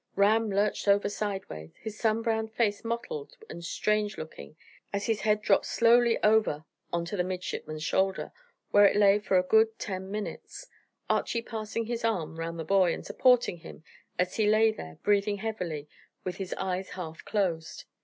Ram lurched over sidewise, his sun browned face mottled and strange looking, as his head dropped slowly over on to the midshipman's shoulder, where it lay for a good ten minutes, Archy passing his arm round the boy, and supporting him as he lay there, breathing heavily, with his eyes half closed.